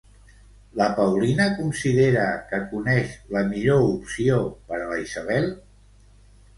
La Paulina considera que coneix la millor opció per a la Isabel?